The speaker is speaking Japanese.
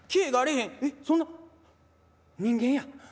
そんな人間や。